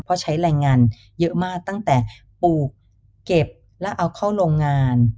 เพราะใช้แรงงานเยอะมากตั้งแต่ปลูกเก็บแล้วเอาเข้าโรงงาน